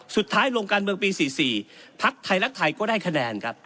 สุดท้ายลงการเมืองปี๔๔พักไทยรักไทยก็ได้คะแนนครับ